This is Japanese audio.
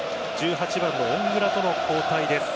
１８番、オングラとの交代です。